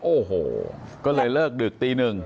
โอ้โหก็เลยเลิกดึกตีหนึ่ง